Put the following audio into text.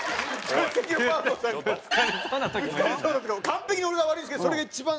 完璧に俺が悪いんですけどそれが一番最初の芸能人です。